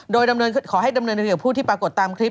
โดยดำเนินขอให้ดำเนินในเกี่ยวกับผู้ที่ปรากฏตามคลิป